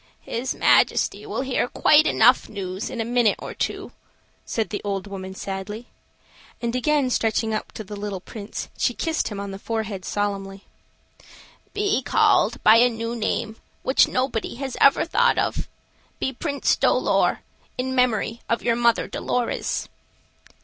"His Majesty will hear quite enough news in a minute or two," said the old woman sadly. And again stretching up to the little Prince, she kissed him on the forehead solemnly. "Be called by a new name which nobody has ever thought of. Be Prince Dolor, in memory of your mother Dolorez."